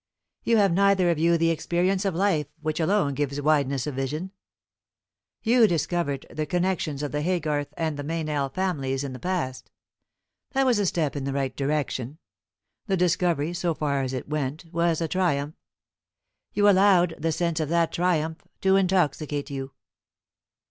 You have neither of you the experience of life which alone gives wideness of vision. You discovered the connections of the Haygarth and the Meynell families in the past. That was a step in the right direction. The discovery, so far as it went, was a triumph. You allowed the sense of that triumph to intoxicate you.